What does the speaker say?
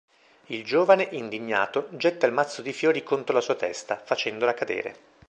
Il giovane, Indignato, getta il mazzo di fiori contro la sua testa, facendola cadere.